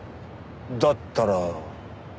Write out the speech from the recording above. だったら。